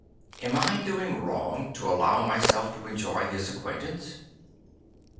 Am I doing wrong to allow myself to enjoy his acquaintance?"